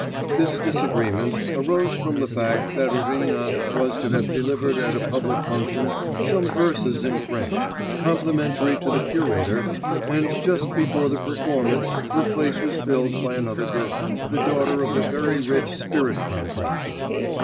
This disagreement arose from the fact that Irina was to have delivered at a public function some verses in French, complimentary to the curator, and just before the performance her place was filled by another girl, the daughter of a very rich spirit contractor.